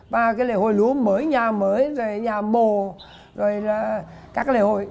và cái lễ hội lúa mới nhà mới rồi nhà mồ rồi các cái lễ hội